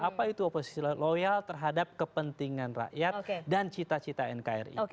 apa itu oposisi loyal terhadap kepentingan rakyat dan cita cita nkri